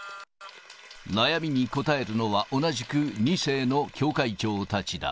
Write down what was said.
悩みに応えるのは同じく２世の教会長たちだ。